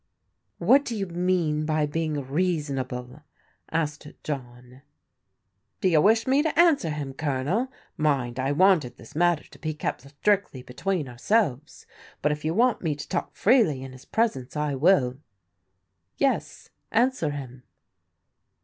"What do you mean by being reasonable?" asked John. "Do you wish me to answer him, Colonel? Mind, I wanted this matter to be kept strictly between ourselves, but if you want me to talk freely in his presence I will." Yes, answer him."